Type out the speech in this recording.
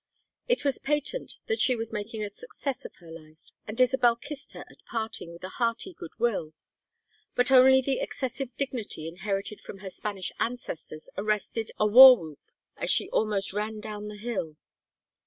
It was patent that she was making a success of her life, and Isabel kissed her at parting with a hearty good will; but only the excessive dignity inherited from her Spanish ancestors arrested a war whoop as she almost ran down the hill.